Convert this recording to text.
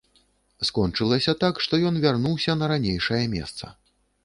Скончылася так, што ён вярнуўся на ранейшае месца.